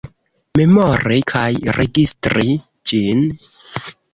Memori kaj registri ĝin.